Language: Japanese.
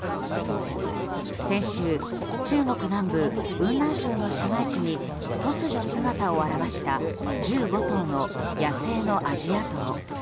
先週中国南部・雲南省の市街地に突如、姿を現した１５頭の野生のアジアゾウ。